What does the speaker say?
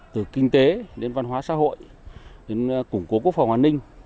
từ kinh tế đến văn hóa xã hội đến củng cố quốc phòng an ninh